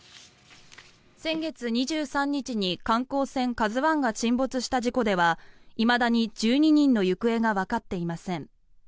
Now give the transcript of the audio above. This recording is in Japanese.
先月２３日に観光船「ＫＡＺＵ１」が沈没した事故ではいまだに１２人の行方がわかっていません。